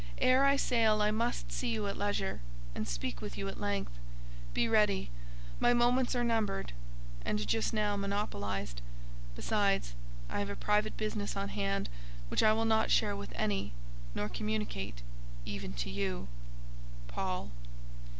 Ere I sail, I must see you at leisure, and speak with you at length. Be ready; my moments are numbered, and, just now, monopolized; besides, I have a private business on hand which I will not share with any, nor communicate—even to you.—PAUL."